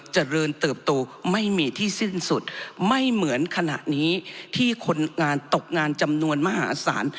เจริญเติบโตไม่มีที่สิ้นสุดไม่เหมือนขณะนี้ที่คนงานตกงานจำนวนมหาศาล